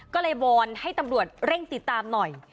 ก็เลยวอนให้ตำรวจเร่งติดตามหน่อย